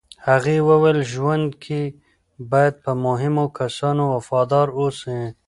هغې وویل، ژوند کې باید په مهمو کسانو وفادار اوسې.